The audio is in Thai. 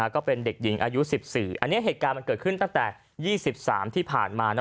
ก็เป็นเด็กหญิงอายุ๑๔อันนี้เหตุการณ์มันเกิดขึ้นตั้งแต่๒๓ที่ผ่านมา